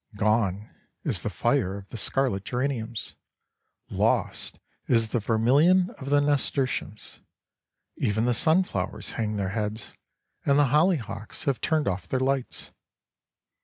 Gone is the fire of the scarlet geraniums; lost is the vermilion of the nasturtiums; even the sunflowers hang their heads, and the hollyhocks have turned off their lights.